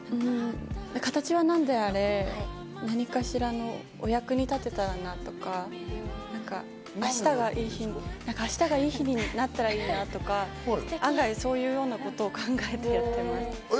形は何であれ、何かしらのお役に立てたらなとか、明日が良い日になったらいいなとか、案外そういうようなことを考えてやっています。